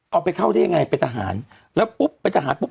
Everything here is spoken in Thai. เอาไปเข้าได้ยังไงเป็นทหารแล้วปุ๊บเป็นทหารปุ๊บ